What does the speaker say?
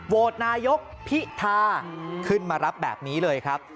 โหวตนายกพิธาขึ้นมารับแบบนี้เลยครับ